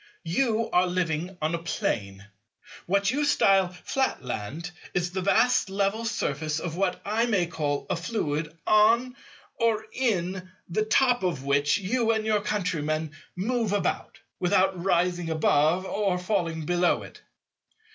You are living on a Plane. What you style Flatland is the vast level surface of what I may call a fluid, or in, the top of which you and your countrymen move about, without rising above or falling below it.